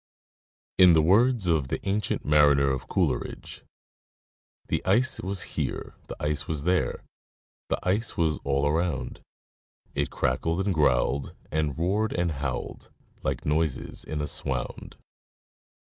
. In the words of the Ancient Mariner of Coleridge : "The ice was here, the ice was there, The ice was all around ; It cracked and growled, and roared and howled, Like noises in a swound."